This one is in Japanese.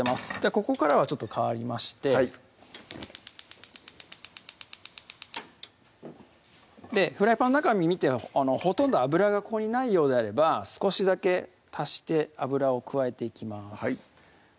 ここからは変わりましてはいフライパンの中見てほとんど油がここにないようであれば少しだけ足して油を加えていきます